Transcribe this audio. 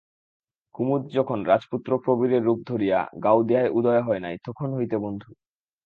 কুমুদ যখন রাজপুত্র প্রবীরের রূপ ধরিয়া গাওদিয়ায় উদয় হয় নাই তখন হইতে বন্ধু।